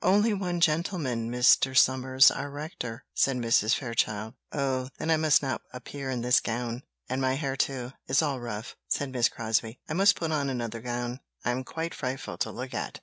"Only one gentleman, Mr. Somers, our rector," said Mrs. Fairchild. "Oh! then I must not appear in this gown! and my hair, too, is all rough," said Miss Crosbie; "I must put on another gown; I am quite frightful to look at!"